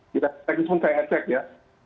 tidak saya cek ya